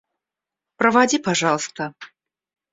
Проводи, пожалуйста.